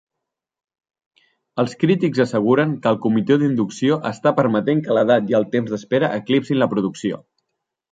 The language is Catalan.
Els crítics asseguren que el comitè d'inducció està permetent que l'edat i el temps d'espera eclipsin la producció.